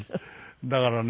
だからね